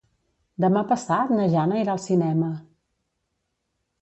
Demà passat na Jana irà al cinema.